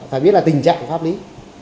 phải biết là tình trạng pháp lý